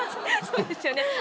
そうですよね。